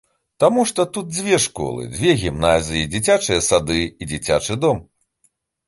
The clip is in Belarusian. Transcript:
Таму што тут дзве школы, дзве гімназіі, дзіцячыя сады і дзіцячы дом.